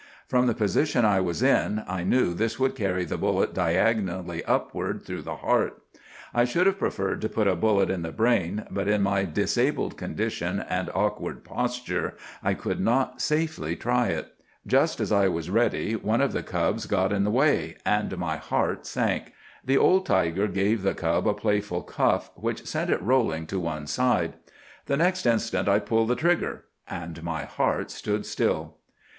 From the position I was in, I knew this would carry the bullet diagonally upward through the heart. I should have preferred to put a bullet in the brain, but in my disabled condition and awkward posture I could not safely try it. [Illustration: "Laboriously, very Deliberately, I got My Sight."—Page 32.] "'Just as I was ready, one of the cubs got in the way, and my heart sank. The old tiger gave the cub a playful cuff, which sent it rolling to one side. The next instant I pulled the trigger—and my heart stood still.